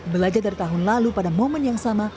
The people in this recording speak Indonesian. belajar dari tahun lalu pada momen yang sama